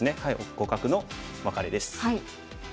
互角のワカレです。